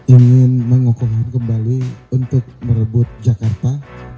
ingin mengukuhkan kembali untuk merebut jakarta